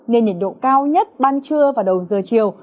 nên nhiệt độ cao nhất ban trưa và đầu giờ chiều